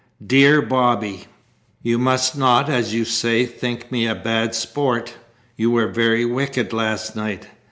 "DEAR BOBBY; "You must not, as you say, think me a bad sport. You were very wicked last night.